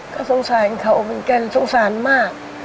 ก็สงสารเขาเหมือนกันสงสารมาก